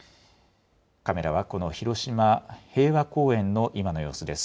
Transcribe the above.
カメラはこの広島平和公園の今の様子です。